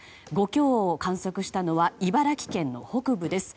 ５強を観測したのは茨城県の北部です。